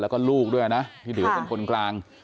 แล้วก็ลูกด้วยนะที่ถือว่าเป็นคนกลาง